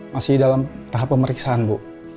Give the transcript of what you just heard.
masih dalam tahap pemeriksaan bu